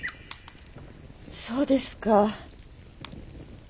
そうですか。